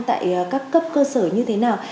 tại các cấp cơ sở như thế nào